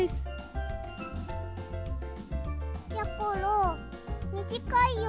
やころみじかいよ。